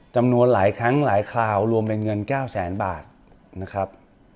จำนวนหลายครั้งหลายคราวรวมเป็นเงิน๙แสนบาทนะครับ